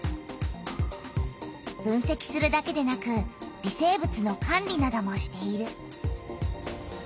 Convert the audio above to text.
分せきするだけでなく微生物の管理などもしている。